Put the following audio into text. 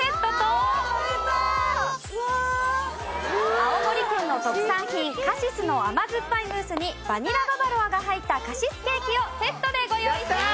青森県の特産品カシスの甘酸っぱいムースにバニラババロアが入ったカシスケーキをセットでご用意しています！